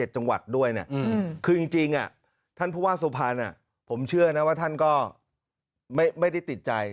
๗๗จังหวัดด้วยคือจริงท่านภูวาโสภาผมเชื่อนะว่าท่านก็ไม่ได้ติดใจ